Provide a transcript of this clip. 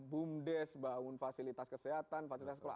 bumdes bangun fasilitas kesehatan fasilitas sekolah